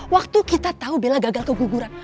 waktu kita tahu bila gagal keguguran